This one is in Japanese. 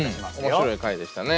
面白い回でしたね。